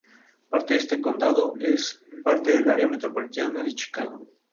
La película recibió críticas mixtas a críticas positivas.